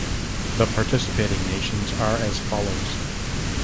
The participating nations are as follows.